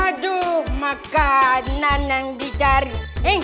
aduh makanan yang dicari